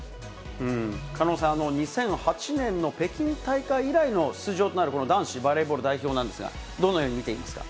狩野さん、２００８年の北京大会以来の出場となる、この男子バレーボール代表なんですが、どのように見ていますか。